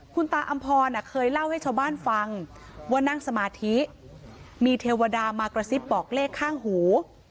คุณตาอำพรเคยเล่าให้ชาวบ้านฟังว่านั่งสมาธิมีเทวดามากระซิบบอกเลขข้างหู